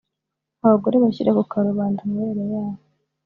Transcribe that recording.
abagore bashyira ku karubanda amabere yabo